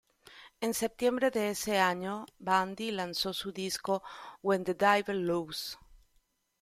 En septiembre de ese año, Bondy lanzó el disco "When the Devil Loose".